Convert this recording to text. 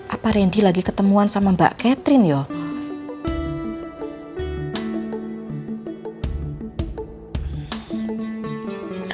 apa randy lagi ketemuan sama mbak catherine yuk